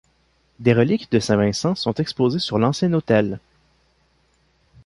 Des reliques de saint Vincent sont exposées sur l'ancien autel.